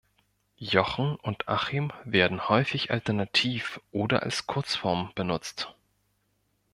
Jochen und Achim werden häufig alternativ oder als Kurzform benutzt.